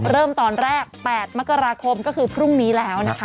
เริ่มตอนแรก๘มกราคมก็คือพรุ่งนี้แล้วนะคะ